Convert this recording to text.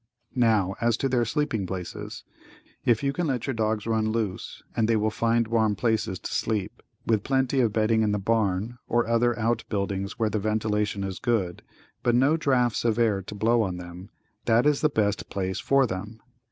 Now as to their sleeping places, if you can let your dogs run loose, and they will find warm places to sleep, with plenty of bedding in the barn or other out buildings where the ventilation is good, but no drafts of air to blow on them, that is the best place for them.